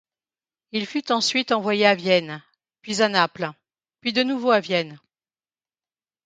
Il fut ensuite envoyé à Vienne, puis à Naples, puis de nouveau à Vienne.